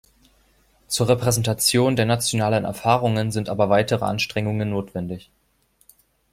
Zur Repräsentation der nationalen Erfahrungen sind aber weitere Anstrengungen notwendig.